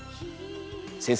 先生